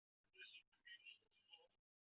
他最喜欢的足球队是博卡青年队俱乐部。